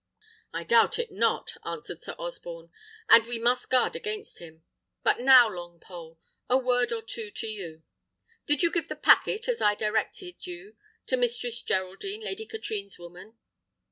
"I doubt it not," answered Sir Osborne; "and we must guard against him. But now, Longpole, a word or two to you. Did you give the packet, as I directed you, to Mistress Geraldine, Lady Katrine's woman?"